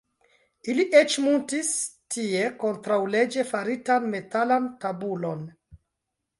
Ili eĉ muntis tie kontraŭleĝe faritan metalan tabulon.